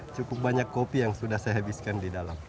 cukup banyak kopi yang sudah saya habiskan di dalam